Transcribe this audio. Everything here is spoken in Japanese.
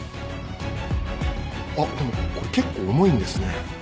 あっでもこれ結構重いんですね